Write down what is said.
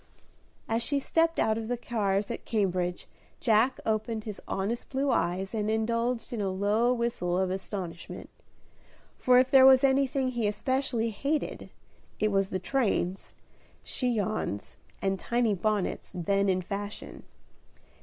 As she stepped out of the cars at Cambridge, Jack opened his honest blue eyes and indulged in a low whistle of astonishment: for if there was anything he especially hated, it was the trains, chignons and tiny bonnets then in fashion.